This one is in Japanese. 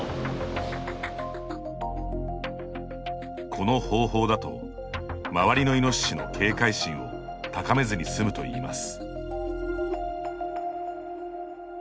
この方法だとまわりのイノシシも警戒心を高めずにすむといいます。